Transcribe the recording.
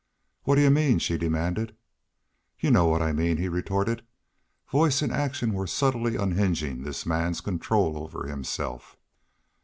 "What do y'u mean?" she demanded. "Y'u know what I mean," he retorted. Voice and action were subtly unhinging this man's control over himself.